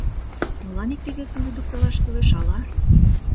Молан икте-весым лӱдыктылаш кӱлеш ала?